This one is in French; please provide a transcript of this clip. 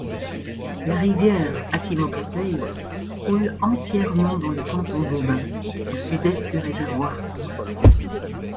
La rivière Atimokateiw coule entièrement dans le canton d’Aubin, au Sud-est du réservoir Gouin.